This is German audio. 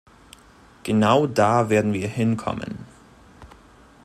Genau da werden wir hinkommen.